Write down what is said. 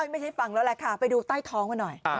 ไม่ใช่ฟังแล้วแหละค่ะไปดูใต้ท้องกันหน่อย